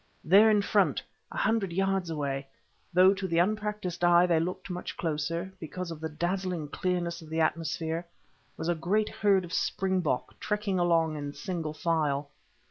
There, in front, a hundred yards away, though to the unpractised eye they looked much closer, because of the dazzling clearness of the atmosphere, was a great herd of springbok trekking along in single file.